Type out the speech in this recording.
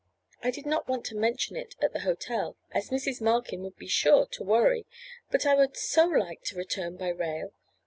I did not want to mention it at the hotel as Mrs. Markin would be sure to worry, but I would so like to return by rail.